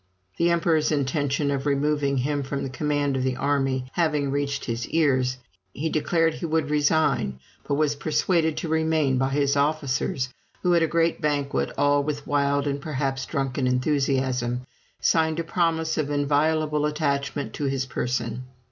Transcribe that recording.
The emperor's intention of removing him from the command of the army having reached his ears, he declared he would resign, but was persuaded to remain by his officers, who at a great banquet, all, with wild and perhaps drunken enthusiasm, signed a promise of inviolable attachment to his person.